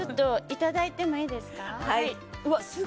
いただいてもいいですか。